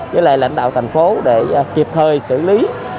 với lại lãnh đạo tp hcm để kịp thời xử lý